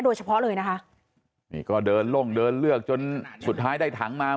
โดยเฉพาะเลยนะคะนี่ก็เดินลงเดินเลือกจนสุดท้ายได้ถังมา